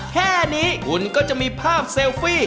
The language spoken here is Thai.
แค่นี้คุณก็จะมีภาพเซลฟี่